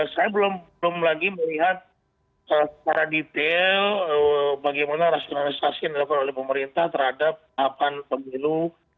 saya belum lagi melihat secara detail bagaimana rasionalisasi yang dilakukan oleh pemerintah terhadap tahapan pemilu dua ribu dua puluh